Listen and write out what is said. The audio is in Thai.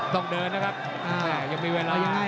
ต้องเดินนะครับยังมีเวลาย้าย